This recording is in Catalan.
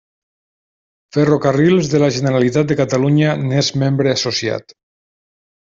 Ferrocarrils de la Generalitat de Catalunya n'és membre associat.